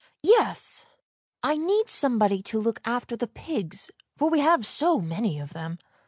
— yes, I need somebody to look after the pigs, for we have so many of them."